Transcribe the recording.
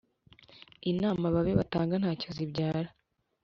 inama ababi batanga ntacyo zibyara